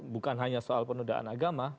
bukan hanya soal penodaan agama